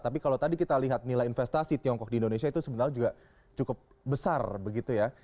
tapi kalau tadi kita lihat nilai investasi tiongkok di indonesia itu sebenarnya juga cukup besar begitu ya